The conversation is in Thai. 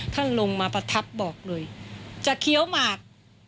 ท่านลงมาประทับบอกเลยจะเคี้ยวหมาก